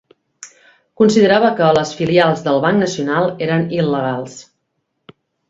Considerava que les filials del Banc Nacional eren il·legals.